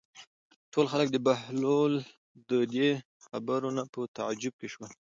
ټول خلک د بهلول د دې خبرو نه په تعجب کې شول.